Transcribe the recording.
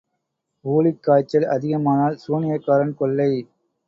ஊழிக் காய்ச்சல் அதிகமானால் சூனியக்காரன் கொள்ளை.